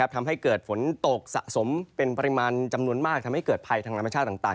ทำให้เกิดฝนตกสะสมเป็นปริมาณจำนวนมากทำให้เกิดภัยทางธรรมชาติต่าง